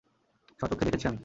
স্বচক্ষে দেখেছি আমি।